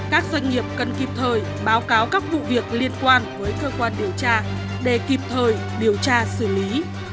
các doanh nghiệp cần kịp thời báo cáo các vụ việc liên quan với cơ quan điều tra để kịp thời điều tra xử lý